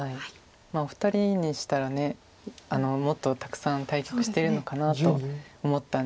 お二人にしたらもっとたくさん対局してるのかなと思ったんですけど。